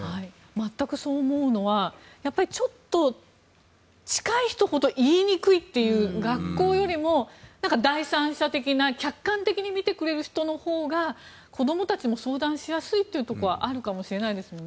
全くそう思うのはちょっと近い人ほど言いにくいという学校よりも第三者的な客観的に見てくれる人のほうが子どもたちも相談しやすいというところはあるかもしれないですもんね。